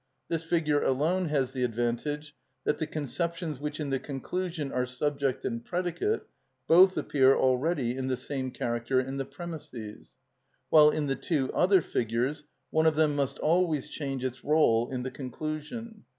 This figure alone has the advantage that the conceptions which in the conclusion are subject and predicate both appear already in the same character in the premisses; while in the two other figures one of them must always change its roll in the conclusion.